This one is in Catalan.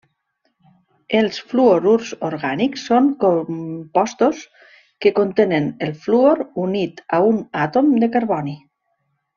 Els fluorurs orgànics són compostos que contenen el fluor unit a un àtom de carboni.